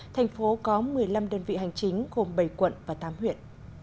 thành phố có một mươi năm đơn vị hành chính gồm bảy quận và tám huyện